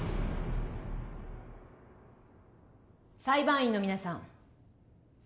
裁判員の皆さん。